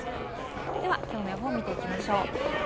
ではきょうの予報を見ていきましょう。